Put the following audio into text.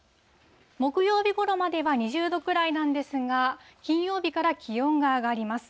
木曜日ごろまでは２０度くらいなんですが、金曜日から気温が上がります。